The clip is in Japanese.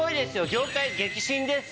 業界激震ですよ。